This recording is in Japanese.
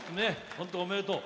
本当、おめでとう。